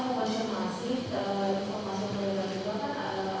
jadi apa sama pak jalan